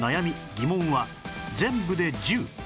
・疑問は全部で１０